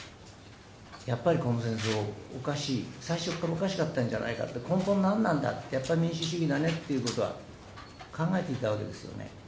やっぱりこの戦争おかしい、最初からおかしかったんじゃないか、根本、何なんだって、やっぱり民主主義だねということは、考えていたわけですよね。